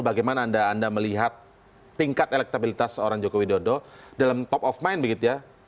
bagaimana anda melihat tingkat elektabilitas orang jokowi dodo dalam top of mind begitu ya